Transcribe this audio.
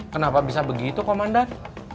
kenapa bisa begitu komandan